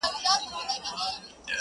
يو ځوان وايي دا ټول تبليغ دئ,